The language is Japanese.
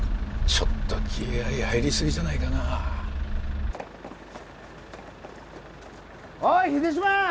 ちょっと気合い入りすぎじゃないかなおい秀島！